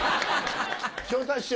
昇太師匠。